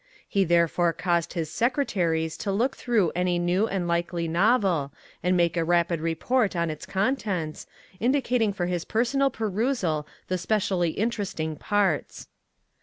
He therefore caused his secretaries to look through any new and likely novel and make a rapid report on its contents, indicating for his personal perusal the specially interesting parts.